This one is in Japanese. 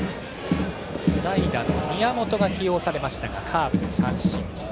代打の宮本が起用されましたがカーブで三振。